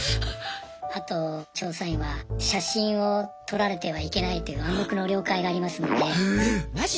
あと調査員は写真を撮られてはいけないという暗黙の了解がありますので。